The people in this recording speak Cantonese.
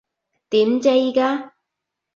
點啫依家？